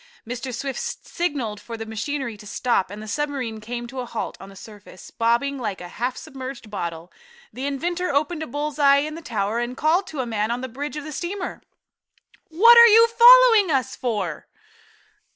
Mr. Swift signaled for the machinery to stop and the submarine came to a halt on the surface, bobbing about like a half submerged bottle. The inventor opened a bull's eye in the tower, and called to a man on the bridge of the steamer: "What are you following us for?"